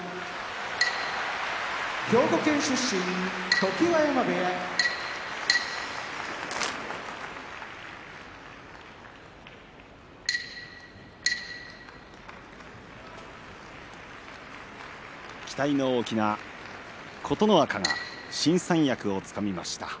常盤山部屋期待の大きな琴ノ若が新三役をつかみました。